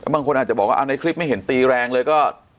บางคนอาจจะบอกว่าเอาในคลิปไม่เห็นตีแรงเลยก็